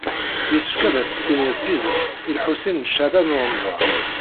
Yessefk ad as-tinid tidet i Lḥusin n Caɛban u Ṛemḍan.